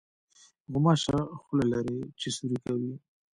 غوماشه خوله لري چې سوري کوي.